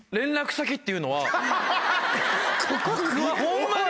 ホンマに！